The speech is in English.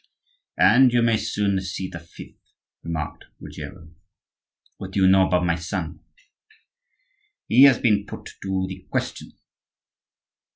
"And you may soon see the fifth," remarked Ruggiero. "What do you know about my son?" "He has been put to the question."